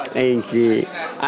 sampai sepuh ini